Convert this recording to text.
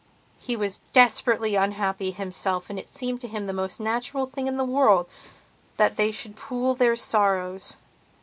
He was desperately unhappy himself and it seemed to him the most natural thing in the world that they should pool their sorrows.